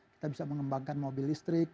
kita bisa mengembangkan mobil listrik